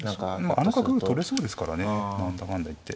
あの角取れそうですからね何だかんだ言って。